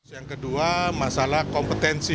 yang kedua masalah kompetensi